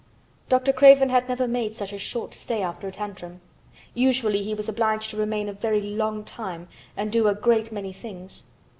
Dr. Craven had never made such a short stay after a "tantrum"; usually he was obliged to remain a very long time and do a great many things.